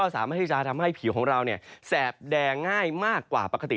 สามารถที่จะทำให้ผิวของเราแสบแดงง่ายมากกว่าปกติ